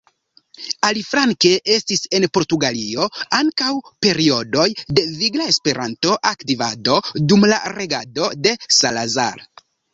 Aliflanke estis en Portugalio ankaŭ periodoj de vigla Esperanto-aktivado dum la regado de Salazar.